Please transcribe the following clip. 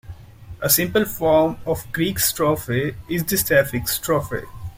A simple form of Greek strophe is the Sapphic strophe.